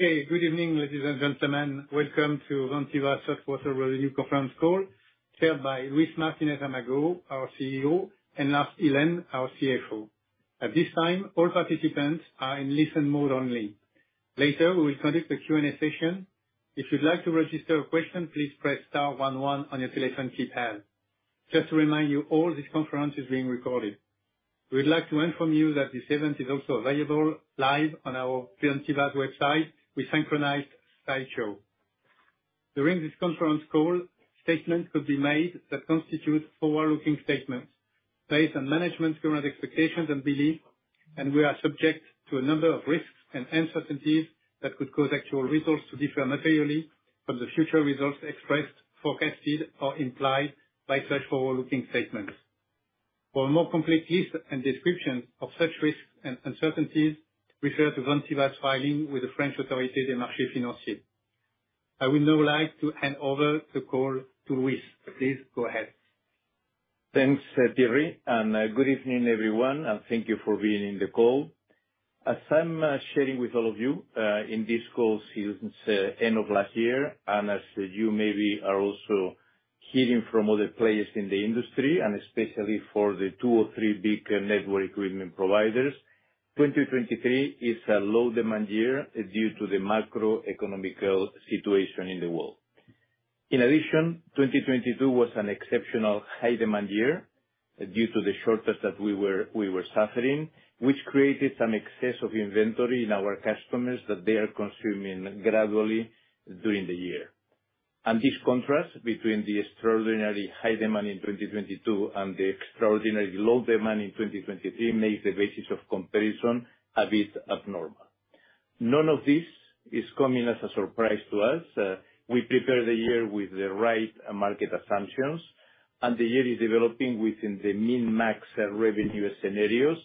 Hey, good evening, ladies and gentlemen. Welcome to Vantiva Thir Quarter Revenue Conference Call, chaired by Luis Martinez-Amago, our CEO, and Lars Ihlen, our CFO. At this time, all participants are in listen mode only. Later, we will conduct a Q&A session. If you'd like to register a question, please press star one one on your telephone keypad. Just to remind you all, this conference is being recorded. We'd like to inform you that this event is also available live on our Vantiva website with synchronized slideshow. During this conference call, statements could be made that constitute forward-looking statements based on management's current expectations and beliefs, and we are subject to a number of risks and uncertainties that could cause actual results to differ materially from the future results expressed, forecasted, or implied by such forward-looking statements. For a more complete list and description of such risks and uncertainties, refer to Vantiva's filing with the Autorité des marchés financiers. I would now like to hand over the call to Luis. Please go ahead. Thanks, Thierry, and good evening, everyone, and thank you for being in the call. As I'm sharing with all of you in this call, since the end of last year, and as you maybe are also hearing from other players in the industry, and especially for the two or three big network equipment providers, 2023 is a low-demand year due to the macroeconomic situation in the world. In addition, 2022 was an exceptional high-demand year due to the shortage that we were suffering, which created some excess of inventory in our customers that they are consuming gradually during the year. And this contrast between the extraordinary high demand in 2022 and the extraordinary low demand in 2023 makes the basis of comparison a bit abnormal. None of this is coming as a surprise to us. We prepared the year with the right market assumptions, and the year is developing within the min-max revenue scenarios,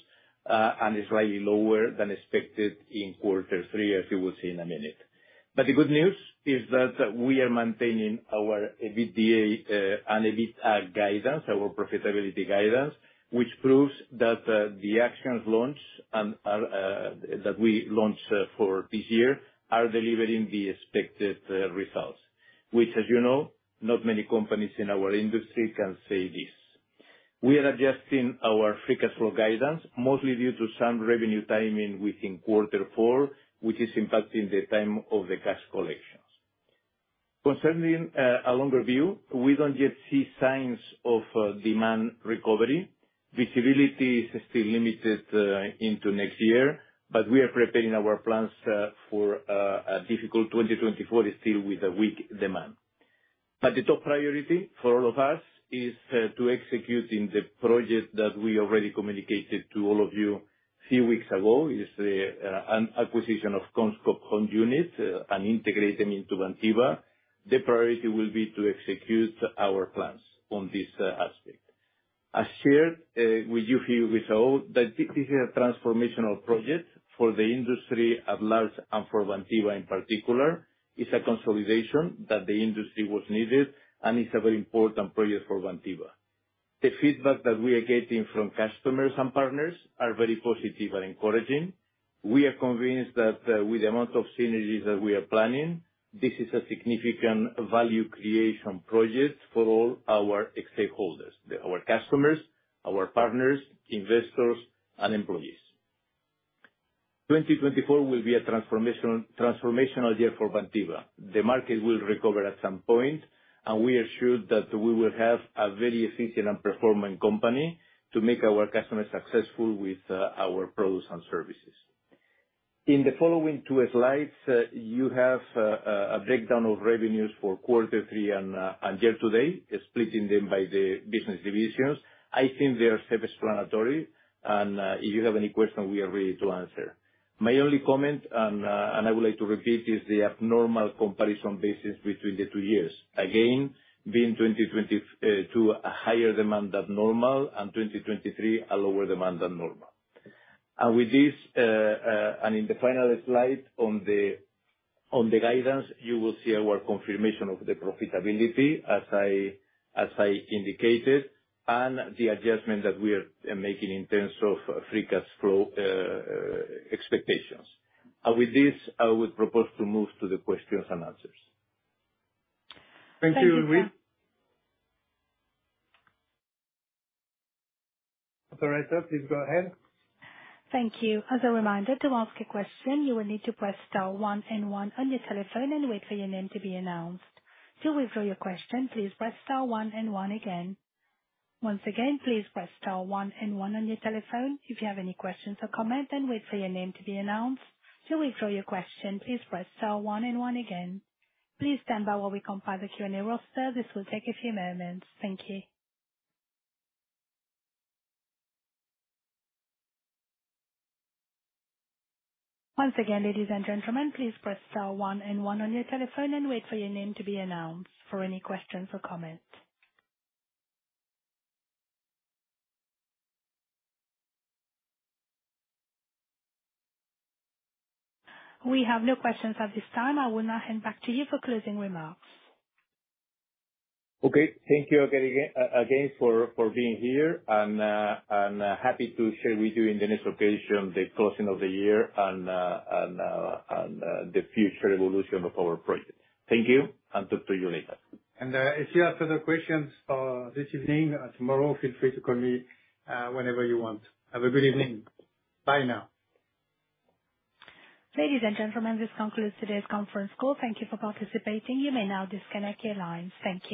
and is slightly lower than expected in quarter three, as you will see in a minute. But the good news is that we are maintaining our EBITDA and EBIT guidance, our profitability guidance, which proves that the actions that we launched for this year are delivering the expected results. Which, as you know, not many companies in our industry can say this. We are adjusting our Free Cash Flow guidance, mostly due to some revenue timing within quarter four, which is impacting the time of the cash collections. Concerning a longer view, we don't yet see signs of a demand recovery. Visibility is still limited into next year, but we are preparing our plans for a difficult 2024, still with a weak demand. But the top priority for all of us is to executing the project that we already communicated to all of you a few weeks ago, is the an acquisition of CommScope unit, and integrate them into Vantiva. The priority will be to execute our plans on this aspect. I shared with you here with all, that this is a transformational project for the industry at large and for Vantiva in particular. It's a consolidation that the industry was needed, and it's a very important project for Vantiva. The feedback that we are getting from customers and partners are very positive and encouraging. We are convinced that with the amount of synergies that we are planning, this is a significant value creation project for all our stakeholders, our customers, our partners, investors, and employees. 2024 will be a transformational year for Vantiva. The market will recover at some point, and we are sure that we will have a very efficient and performing company to make our customers successful with our products and services. In the following two slides, you have a breakdown of revenues for quarter three and year to date, splitting them by the business divisions. I think they are self-explanatory, and if you have any questions, we are ready to answer. My only comment, and I would like to repeat, is the abnormal comparison basis between the two years. Again, being 2022, a higher demand than normal, and 2023, a lower demand than normal. And with this, and in the final slide on the guidance, you will see our confirmation of the profitability, as I indicated, and the adjustment that we are making in terms of Free Cash Flow expectations. And with this, I would propose to move to the questions and answers. Thank you, Luis. Operator, please go ahead. Thank you. As a reminder, to ask a question, you will need to press star one and one on your telephone and wait for your name to be announced. To withdraw your question, please press star one and one again. Once again, please press star one and one on your telephone if you have any questions or comments, and wait for your name to be announced. To withdraw your question, please press star one and one again. Please stand by while we compile the Q&A roster. This will take a few moments. Thank you. Once again, ladies and gentlemen, please press star one and one on your telephone and wait for your name to be announced for any questions or comments. We have no questions at this time. I will now hand back to you for closing remarks. Okay. Thank you again for being here, and the future evolution of our project. Thank you, and talk to you later. If you have further questions this evening or tomorrow, feel free to call me whenever you want. Have a good evening. Bye now. Ladies and gentlemen, this concludes today's conference call. Thank you for participating. You may now disconnect your lines. Thank you.